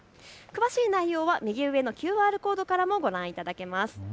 詳しい内容は右上のＱＲコードからもご覧いただけます。